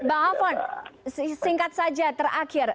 bang alfon singkat saja terakhir